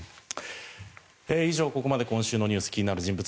以上、ここまで今週のニュース気になる人物